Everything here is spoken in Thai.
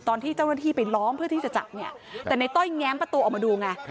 ตอนที่เจ้าหน้าที่ไปล้อมเพื่อที่จะจับเนี่ยแต่ในต้อยแง้มประตูออกมาดูไง